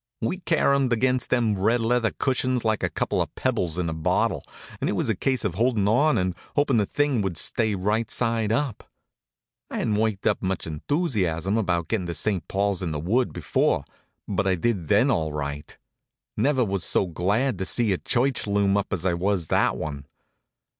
We caromed against them red leather cushions like a couple of pebbles in a bottle, and it was a case of holdin' on and hoping the thing would stay right side up. I hadn't worked up much enthusiasm about gettin' to St. Paul's in the Wood before, but I did then, all right. Never was so glad to see a church loom up as I was that one.